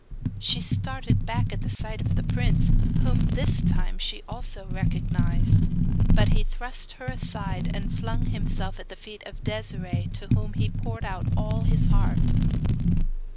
She started back at the sight of the prince, whom this time she also recognised. But he thrust her aside, and flung himself at the feet of Desiree, to whom he poured out all his heart!